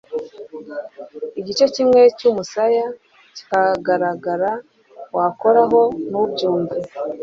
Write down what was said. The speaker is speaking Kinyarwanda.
Igice kimwe cy'umusaya kikagagara wakoraho ntubyumve,